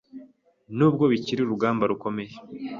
nubwo bikiri urugamba rukomeye